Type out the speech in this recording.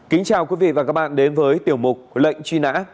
kính chào quý vị và các bạn đến với tiểu mục lệnh truy nã